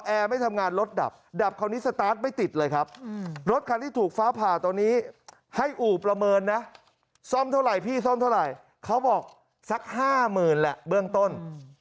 ไม่ทำงานรถดับดับคราวนี้สตาร์ทไม่ติดเลยครับรถคันที่ถูกฟ้าผ่าตอนนี้ให้อู่ประเมินนะซ่อมเท่าไหร่พี่ซ่อมเท่าไหร่เขาบอกสัก๕๐๐๐แหละเบื้องต้น